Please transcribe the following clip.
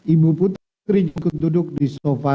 ibu putri ikut duduk di sofa